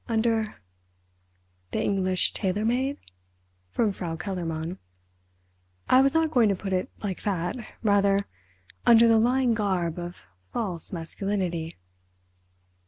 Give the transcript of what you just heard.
under—" "The English tailor made?" from Frau Kellermann. "I was not going to put it like that. Rather, under the lying garb of false masculinity!"